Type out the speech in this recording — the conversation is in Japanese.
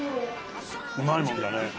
うまいもんだね。